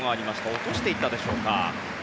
落としていったでしょうか。